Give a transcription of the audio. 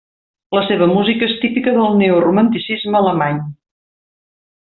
La seva música és típica del neoromanticisme alemany.